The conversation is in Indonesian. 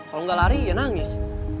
kalau nggak lari ya nangis